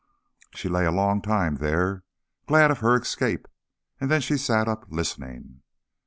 She lay a long time there, glad of her escape, and then she sat up listening.